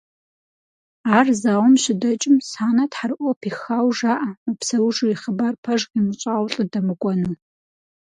Ар зауэм щыдэкӏым, Санэ тхьэрыӏуэ пихауэ жаӏэ мыпсэужу и хъыбар пэж къимыщӏауэ лӏы дэмыкӏуэну.